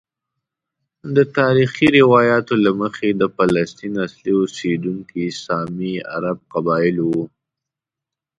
د تاریخي روایاتو له مخې د فلسطین اصلي اوسیدونکي سامي عرب قبائل وو.